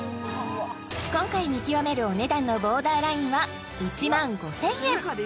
今回見極めるお値段のボーダーラインは１万５０００円